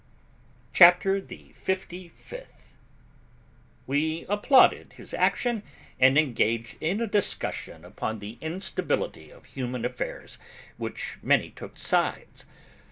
CHAPTER THE FIFTY FIFTH. We applauded his action and engaged in a discussion upon the instability of human affairs, which many took sides.